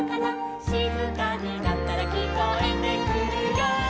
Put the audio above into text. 「しずかになったらきこえてくるよ」